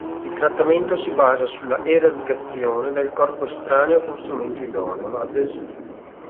Il trattamento si basa sulla eradicazione del corpo estraneo con strumento idoneo, ad es.